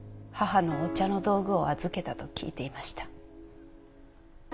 母のお茶の道具を預けたと聞いていました。